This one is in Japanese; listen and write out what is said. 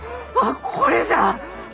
これじゃ！